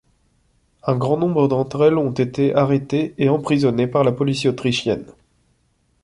Un grand nombre d'entre elles ont été arrêtées et emprisonnées par la police autrichienne.